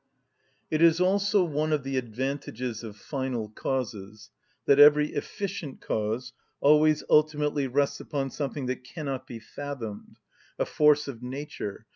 It is also one of the advantages of final causes that every efficient cause always ultimately rests upon something that cannot be fathomed, a force of nature, _i.